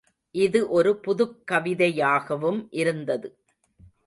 இது ஒரு புதுக்கவிதையாகவும் இருந்தது.